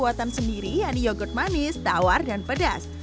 ada yogurt kuatan sendiri yaitu yogurt manis tawar dan pedas